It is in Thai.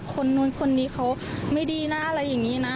คนนู้นคนนี้เขาไม่ดีนะอะไรอย่างนี้นะ